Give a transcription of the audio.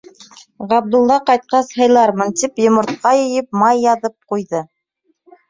Ғабдулла ҡайтҡас һыйлармын тип, йомортҡа йыйып, май яҙып ҡуйҙы.